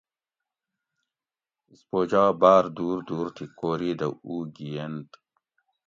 اسپوجا باۤر دُور دُور تھی کوری دہ اُو گِھئینت